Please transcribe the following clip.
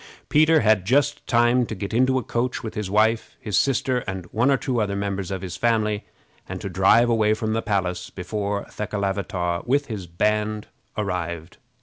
Peter had just time to get into a coach, with his wife, his sister, and one or two other members of his family, and to drive away from the palace before Thekelavitaw, with his band, arrived.